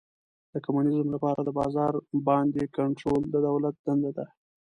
د کمونیزم لپاره د بازار باندې کنټرول د دولت دنده ده.